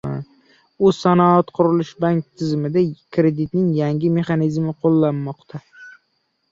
O‘zsanoatqurilishbank tizimida kreditlashning yangi mexanizmi qo‘llanilmoqda